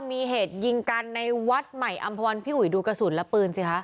มีเหตุยิงกันในวัดใหม่อำภาวันพี่อุ๋ยดูกระสุนและปืนสิคะ